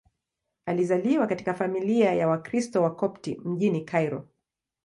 Alizaliwa katika familia ya Wakristo Wakopti mjini Kairo.